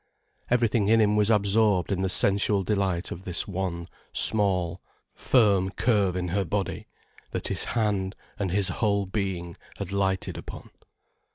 Everything in him was absorbed in the sensual delight of this one small, firm curve in her body, that his hand, and his whole being, had lighted upon.